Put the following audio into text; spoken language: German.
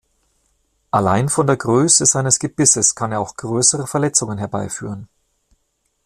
Allein von der Größe seines Gebisses kann er auch größere Verletzungen herbeiführen.